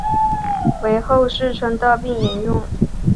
为后世称道并沿用。